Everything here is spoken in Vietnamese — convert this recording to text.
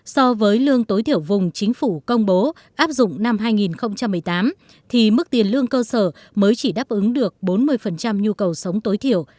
so với lương tối thiểu vùng chính phủ công bố áp dụng năm hai nghìn một mươi tám thì mức tiền lương cơ sở mới chỉ đáp ứng được bốn mươi nhu cầu sống tối thiểu